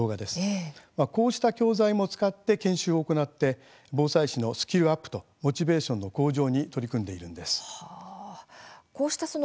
こうした教材も使って研修を行って、防災士のスキルアップとモチベーションの向上に取り組んでいるんです。